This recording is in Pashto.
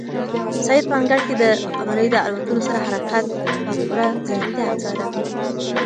سعید په انګړ کې د قمرۍ د الوتلو هر حرکت په پوره ځیرکتیا څاره.